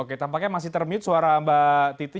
oke tampaknya masih termute suara mbak titi